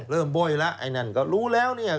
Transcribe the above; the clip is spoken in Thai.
เริ่มบ่วยแล้วไอ้นั่นก็รู้แล้วนี่